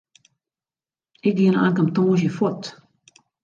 Ik gean ankom tongersdei fuort.